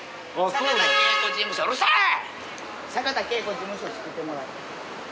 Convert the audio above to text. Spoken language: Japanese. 坂田佳子事務所つくってもらってん。